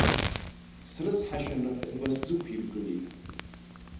Срыцҳашьаны хәба сзықәиргылеит!